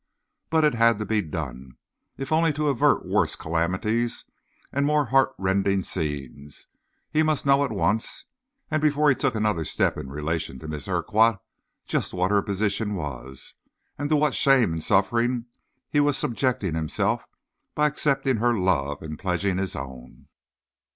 But it had to be done. If only to avert worse calamities and more heart rending scenes, he must know at once, and before he took another step in relation to Miss Urquhart, just what her position was, and to what shame and suffering he was subjecting himself by accepting her love and pledging his own.